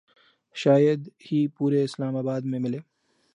شاید ہی پورے اسلام آباد میں ملے